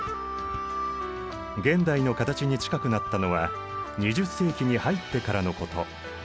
現代の形に近くなったのは２０世紀に入ってからのこと。